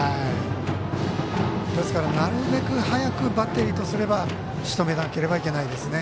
ですからなるべく早くバッテリーとすればしとめなければいけないですね。